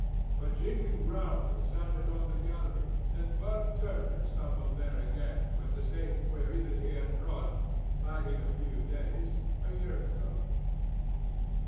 But jingling rowels sounded on the gallery, and Bud Turner stumbled there again with the same query that he had brought, lacking a few days, a year ago.